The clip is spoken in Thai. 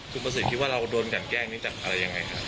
คุณประสิทธิ์คิดว่าเราโดนกันแกล้งนี้จากอะไรยังไงครับ